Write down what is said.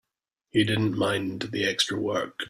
He didn't mind the extra work.